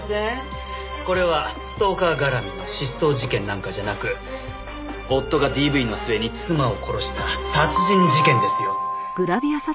これはストーカー絡みの失踪事件なんかじゃなく夫がＤＶの末に妻を殺した殺人事件ですよ。